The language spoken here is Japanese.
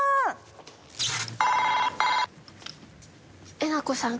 えなこさん。